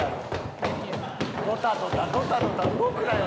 ドタドタドタドタ動くなよ